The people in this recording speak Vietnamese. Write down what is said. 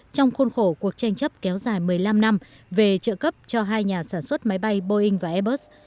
trong khuôn khổ cuộc tranh chấp kéo dài một mươi năm năm về trợ cấp cho hai nhà sản xuất máy bay boeing và airbus